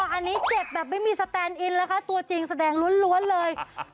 อันนี้เจ็บแบบไม่มีสแตนอินนะคะตัวจริงแสดงล้วนเลย